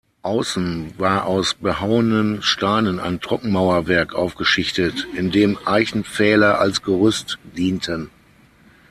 Aussen war aus behauenen Steinen ein Trockenmauerwerk aufgeschichtet, in dem Eichenpfähle als Gerüst dienten.